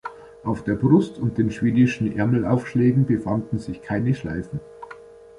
Auf der Brust und den schwedischen Ärmelaufschlägen befanden sich keine Schleifen.